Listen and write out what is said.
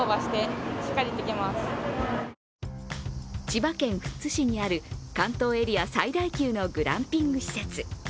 千葉県富津市にある関東エリア最大級のグランピング施設。